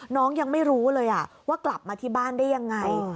ยังไม่รู้เลยว่ากลับมาที่บ้านได้ยังไง